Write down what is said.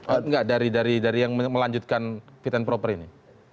atau tidak dari dari yang melanjutkan fit and proper ini